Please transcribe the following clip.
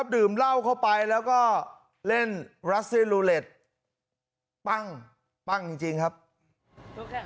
ดื่มเหล้าเข้าไปแล้วก็เล่นรัสเซียลูเล็ตปั้งปั้งจริงครับ